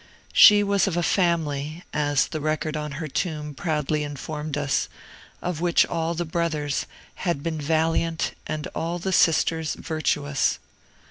She was of a family, as the record on her tomb proudly informed us, of which all the brothers had been valiant and all the sisters virtuous.